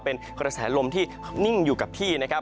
เป็นกระแสลมที่นิ่งอยู่กับที่นะครับ